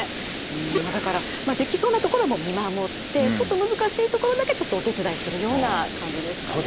だからできそうなところは見守ってちょっと難しいところだけちょっとお手伝いするような感じですかね。